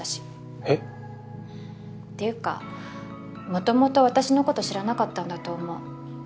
えっ？っていうか元々私の事知らなかったんだと思う。